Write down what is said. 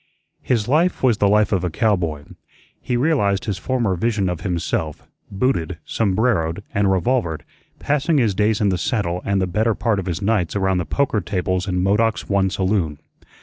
His life was the life of a cowboy. He realized his former vision of himself, booted, sombreroed, and revolvered, passing his days in the saddle and the better part of his nights around the poker tables in Modoc's one saloon.